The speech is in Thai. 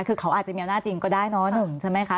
คือเขาอาจจะมีอำนาจจริงก็ได้เนาะหนุ่มใช่ไหมคะ